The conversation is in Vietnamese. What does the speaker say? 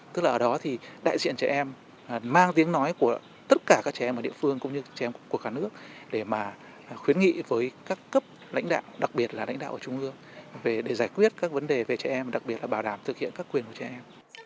tức là ở đó thì đại diện trẻ em mang tiếng nói của tất cả các trẻ em ở địa phương cũng như trẻ em của cả nước để mà khuyến nghị với các cấp lãnh đạo đặc biệt là lãnh đạo ở trung ương về để giải quyết các vấn đề về trẻ em đặc biệt là bảo đảm thực hiện các quyền của trẻ em